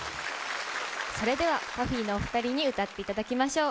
それでは、パフィーのお２人に歌っていただきましょう。